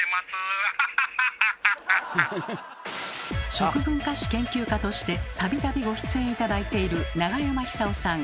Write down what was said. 食文化史研究家として度々ご出演頂いている永山久夫さん